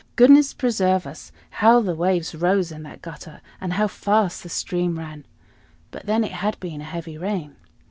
Goodness preserve us! how the waves rose in that gutter, and how fast the stream ran! But then it had been a heavy rain.